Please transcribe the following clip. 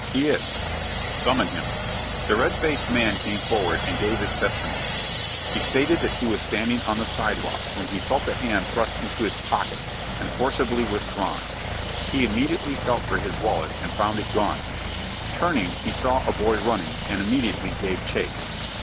"He is." "Summon him." The red faced man came forward, and gave his testimony. He stated that he was standing on the sidewalk, when he felt a hand thrust into his pocket, and forcibly withdrawn. He immediately felt for his wallet, and found it gone. Turning, he saw a boy running, and immediately gave chase.